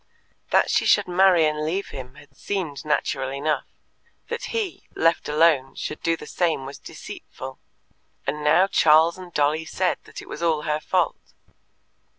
That she should marry and leave him had seemed natural enough; that he, left alone, should do the same was deceitful; and now Charles and Dolly said that it was all her fault.